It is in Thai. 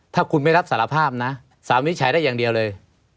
ถ้าคุณไม่รับสารภาพนะสารวินิจฉัยได้อย่างเดียวเลย